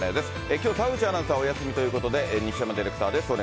きょう、澤口アナウンサーお休みということで、西山ディレクターです。